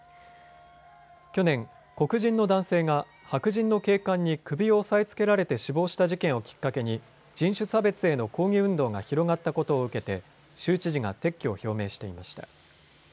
去年、黒人の男性が白人の警官に首を押さえつけられて死亡した事件をきっかけに人種差別への抗議運動が広がったことを受けて州知事が撤去を表明していました。